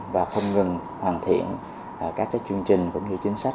và không ngừng hoàn thiện các chương trình cũng như chính sách